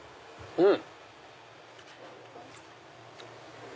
うん！